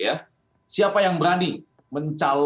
nah sebaliknya saya mau menjawab itu dengan mengatakan